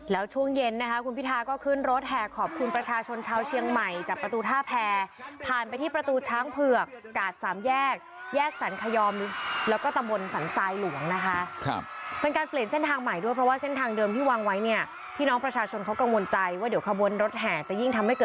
แล้วช่วงเย็นนะคะคุณพิทาก็ขึ้นรถแห่ขอบคุณประชาชนชาวเชียงใหม่จากประตูท่าแพรผ่านไปที่ประตูช้างเผือกกาดสามแยกแยกสรรคยอมแล้วก็ตำบลสันทรายหลวงนะคะครับเป็นการเปลี่ยนเส้นทางใหม่ด้วยเพราะว่าเส้นทางเดิมที่วางไว้เนี่ยพี่น้องประชาชนเขากังวลใจว่าเดี๋ยวขบวนรถแห่จะยิ่งทำให้เกิด